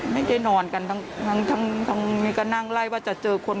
ไม่ได้นอนกันทั้งนี้ก็นั่งไล่ว่าจะเจอคน